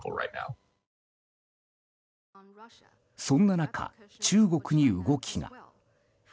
そんな中、中国に動きが。